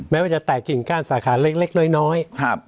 แม้ว่าจะแตกกลิ่นกล้านสาขาเล็กเล็กน้อยน้อยครับ